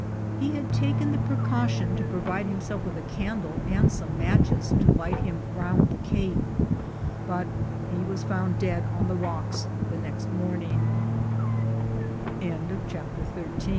He had taken the precaution to provide himself with a candle and some matches to light him round the Cape, but he was found dead on the rocks the next